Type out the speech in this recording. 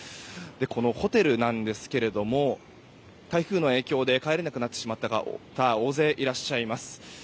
このホテルなんですが台風の影響で帰れなくなってしまった方が大勢いらっしゃいます。